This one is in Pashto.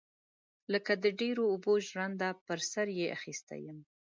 لکه د ډيرو اوبو ژرنده پر سر يې اخيستى يم.